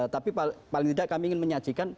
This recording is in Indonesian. tapi paling tidak kami ingin menyajikan